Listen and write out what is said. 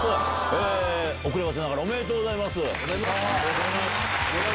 ありがとうございます。